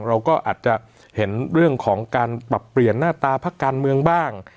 เราก็อาจจะเห็นเรื่องของการปรับเปลี่ยนหน้าตาพักการเมืองบ้าง